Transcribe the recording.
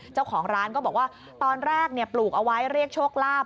เจ้าของร้านก็บอกว่าตอนแรกปลูกเอาไว้เรียกโชคลาภ